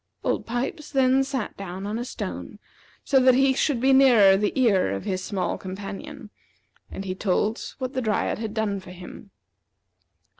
Old Pipes then sat down on a stone, so that he should be nearer the ear of his small companion, and he told what the Dryad had done for him.